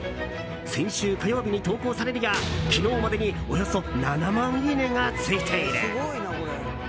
先週火曜日に投稿されるや昨日までにおよそ７万いいねがついている。